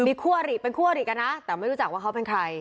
มีคู่อริเป็นคู่อริกันนะแต่ไม่รู้จักว่าเขาเป็นใคร